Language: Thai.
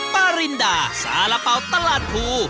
ประรินดาสารเปล่าตลาดพลู